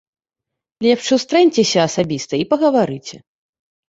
Лепш сустрэньцеся асабіста і пагаварыце.